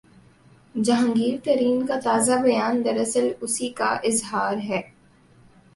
جہانگیر ترین کا تازہ بیان دراصل اسی کا اظہار ہے۔